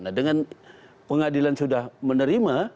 nah dengan pengadilan sudah menerima